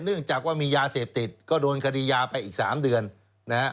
เนื่องจากว่ามียาเสพติดก็โดนคดียาไปอีก๓เดือนนะฮะ